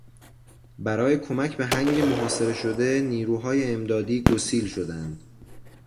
برای کمک به هنگ محاصره شده نیروهای امدادی گسیل شدند.